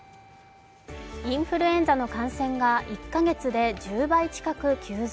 インフルエンザの感染が１か月で１０倍近く急増。